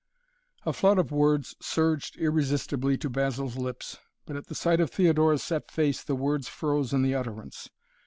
A flood of words surged irresistibly to Basil's lips, but at the sight of Theodora's set face the words froze in the utterance.